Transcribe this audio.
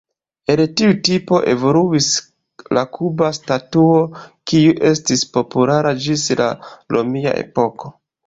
El tiu tipo evoluis la kuba statuo, kiu estis populara ĝis la romia epoko.